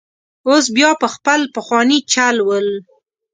اوس بیا په خپل پخواني چل ول.